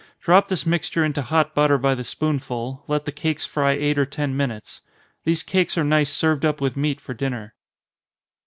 Drop this mixture into hot butter by the spoonful, let the cakes fry eight or ten minutes. These cakes are nice served up with meat for dinner.